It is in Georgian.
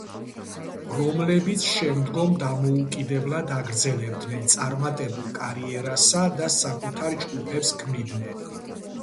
რომლებიც შემდგომ დამოუკიდებლად აგრძელებდნენ წარმატებულ კარიერასა და საკუთარ ჯგუფებს ქმნიდნენ.